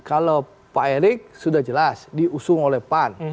kalau pak erik sudah jelas diusung oleh pan